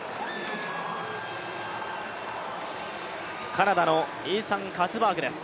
カナダのイーサン・カツバーグです